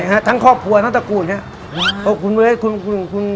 ใช่ครับทั้งครอบครัวทั้งตระกูล